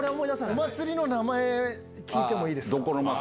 お祭りの名前聞いてもいいですか？